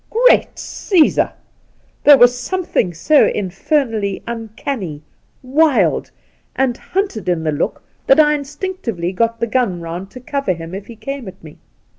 Great ^sesar 1 there was something so infer nally uncanny, wild, and hunted in the look that I instinctively got the gun round to cover him if h^ came at me.